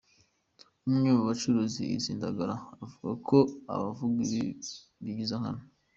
Umwe mu bacuruza izi ndagara, avuga ko abavuga ibi bigiza nkana.